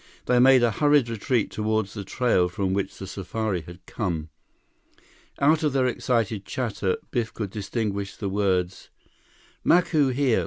They made a hurried retreat toward the trail from which the safari had come. Out of their excited chatter, Biff could distinguish the words: "Macu here!